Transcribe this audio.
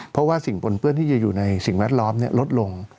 เพราะว่าสิ่งปนเปื้อนที่จะอยู่ในสิ่งแวดล้อมลดลง